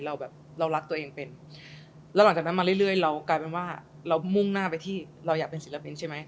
เราแบบเรารักตัวเองเป็นแล้วหลังจากนั้นมาเรื่อยเรากลายเป็นว่าเรามุ่งหน้าไปที่เราอยากเป็นศิลปินใช่ไหม